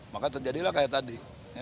maka terjadilah kayak tadi